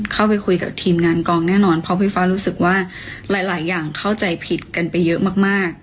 เข้าไปคุยกับทีมงานกองแน่นอนเพราะพี่ฟ้ารู้สึกว่าหลายอย่างเข้าใจผิดกันไปเยอะมาก